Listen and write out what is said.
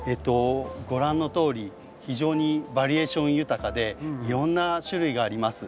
ご覧のとおり非常にバリエーション豊かでいろんな種類があります。